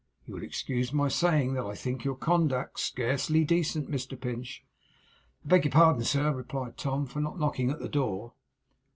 You will excuse my saying that I think your conduct scarcely decent, Mr Pinch.' 'I beg your pardon, sir,' replied Tom, 'for not knocking at the door.